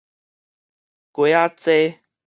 雞仔災